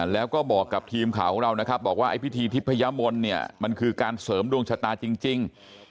แล้วก็บอกกับทีมข่าวของเรานะครับบอกว่าไอ้พิธีทิพยมนต์เนี่ยมันคือการเสริมดวงชะตาจริง